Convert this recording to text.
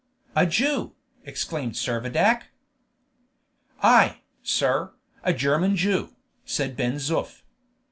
"A Jew!" exclaimed Servadac. "Ay, sir, a German Jew," said Ben Zoof.